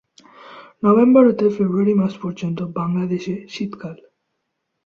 November হতে ফেব্রুয়ারি মাস পর্যন্ত বাংলাদেশে শীতকাল।